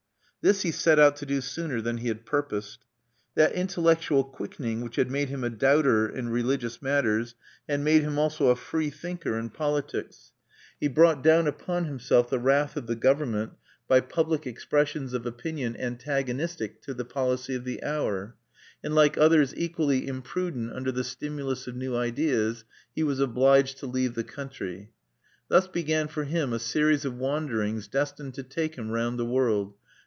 This he set out to do sooner than he had purposed. That intellectual quickening which had made him a doubter in religious matters had made him also a freethinker in politics. He brought down upon himself the wrath of the government by public expressions of opinion antagonistic to the policy of the hour; and, like others equally imprudent under the stimulus of new ideas, he was obliged to leave the country. Thus began for him a series of wanderings destined to carry him round the world.